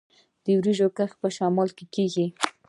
د وریجو کښت په شمال کې کیږي.